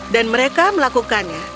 dan mereka melakukannya